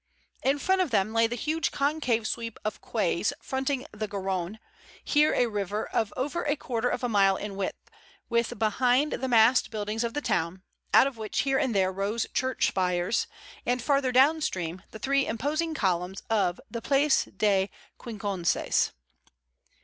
In front of them lay the huge concave sweep of quays fronting the Garonne, here a river of over a quarter of a mile in width, with behind the massed buildings of the town, out of which here and there rose church spires and, farther down stream, the three imposing columns of the Place des Quinconces.